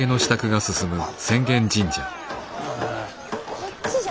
こっちじゃ。